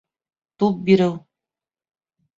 Туп биреү